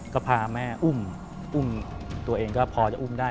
ก็พาแม่อุ้มอุ้มตัวเองก็พอจะอุ้มได้